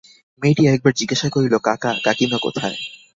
মেয়েটি একবার জিজ্ঞাসা করিল, কাকা, কাকীমা কোথায়?